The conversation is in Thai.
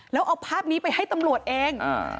แล้วเอาภาพนี้ไปให้ตำรวจเอง